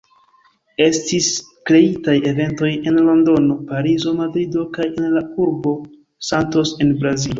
Estis kreitaj eventoj en Londono, Parizo, Madrido kaj en la urbo Santos en Brazilo.